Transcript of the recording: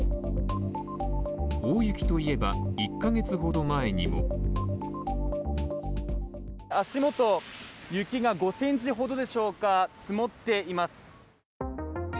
大雪といえば、１カ月ほど前にも足元、雪が５ｃｍほどでしょうか、積もっています。